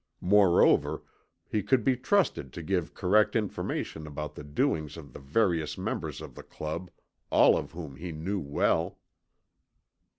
Moreover, he could be trusted to give correct information about the doings of the various members of the Club, all of whom he knew well.